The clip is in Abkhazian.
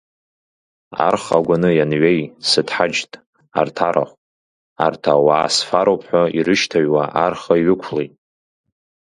Арха агәаны ианҩеи, сыҭҳаџьт, арҭ арахә, арҭ ауаа сфароуп ҳәа ирышьҭаҩуа арха иҩықәлеит.